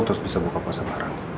terus bisa buka pasang barang